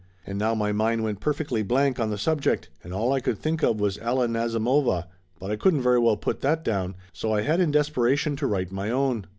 And now my mind went perfectly blank on the subject and all I could think of was Alia Nazimova, but I couldn't very well put that down, so I had in desperation to write my own.